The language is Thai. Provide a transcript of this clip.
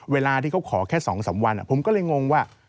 เวลาที่เขาขอแค่๒๓วันผมก็เลยงงว่า